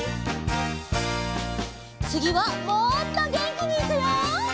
つぎはもっとげんきにいくよ！